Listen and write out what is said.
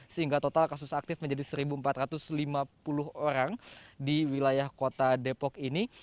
sehingga total kasus aktif menjadi satu empat ratus lima puluh orang di wilayah kota depok ini